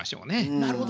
なるほど。